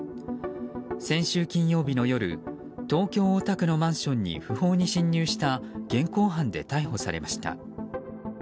先週金曜日の夜東京・大田区のマンションに不法に侵入した現行犯で逮捕されました。